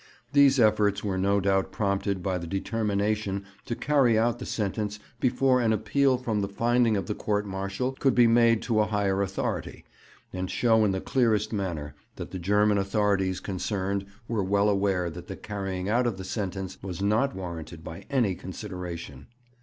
These efforts were no doubt prompted by the determination to carry out the sentence before an appeal from the finding of the court martial could be made to a higher authority, and show in the clearest manner that the German authorities concerned were well aware that the carrying out of the sentence was not warranted by any consideration.